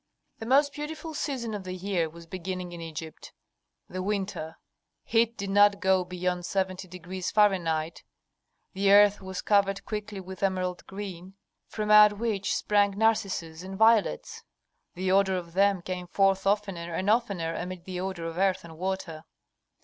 The most beautiful season of the year was beginning in Egypt, the winter. Heat did not go beyond 70° Fahrenheit; the earth was covered quickly with emerald green, from out which sprang narcissus and violets. The odor of them came forth oftener and oftener amid the odor of earth and water.